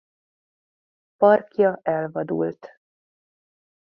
Parkja elvadult.